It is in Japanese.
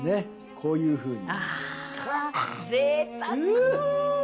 こういうふうに。